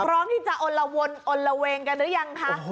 พร้อมที่จะอลละวนอนละเวงกันหรือยังคะ